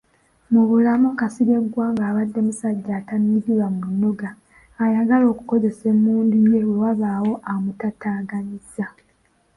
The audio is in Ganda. Mu bulamu Kasirye Gwanga abadde musajja atanyigirwa munnoga, ayagala okukozesa emmundu ye wewabaawo amutaataaganyizza.